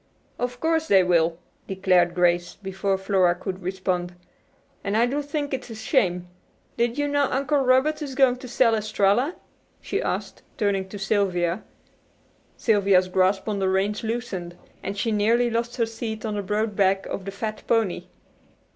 "Of course they will," declared Grace, before Flora could respond. "And I do think it's a shame. Did you know Uncle Robert is going to sell Estralla?" she asked turning to Sylvia. Sylvia's grasp on the reins loosened, and she nearly lost her seat on the broad back of the fat pony.